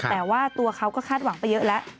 แต่ว่าตัวเขาก็คาดหวังไปเยอะแล้ว